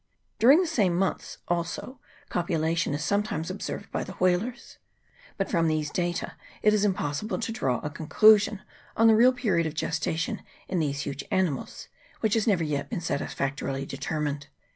During the same months also copulation is sometimes observed by the whalers. But from these data it is impossible to draw a con clusion on the real period of gestation in these huge animals, which has never yet been satisfactorily de termined.